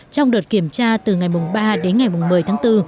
trong đợt kiểm tra từ ngày mùng ba đến ngày mùng một mươi tháng bốn